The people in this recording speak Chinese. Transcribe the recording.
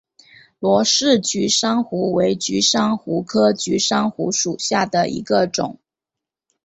罗氏菊珊瑚为菊珊瑚科菊珊瑚属下的一个种。